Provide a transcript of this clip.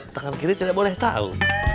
tangan kiri tidak boleh tahu